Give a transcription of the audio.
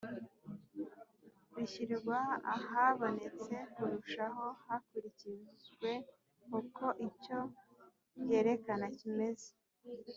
bishyirwa ahaboneye kurushaho hakurikijwe uko icyo byerekana kimeze